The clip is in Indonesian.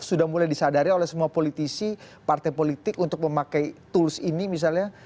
sudah mulai disadari oleh semua politisi partai politik untuk memakai tools ini misalnya